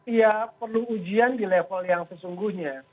ya perlu ujian di level yang sesungguhnya